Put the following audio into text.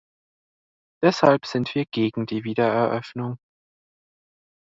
Deshalb sind wir gegen die Wiedereröffnung.